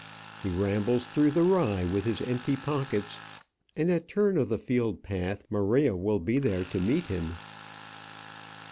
He rambles through the rye with his empty pockets, and at the turn of the field path Maria will be there to meet him.